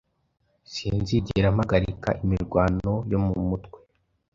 Sinzigera mpagarika imirwano yo mu mutwe,